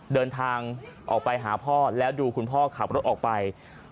เดินทางออกไปหาพ่อแล้วดูคุณพ่อขับรถออกไป